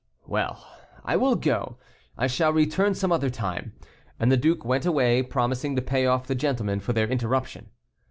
"Well, I will go; I shall return some other time." And the duke went away, promising to payoff the gentlemen for their interruption.